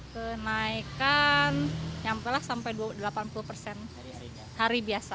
kenaikan nyampelah sampai delapan puluh persen hari biasa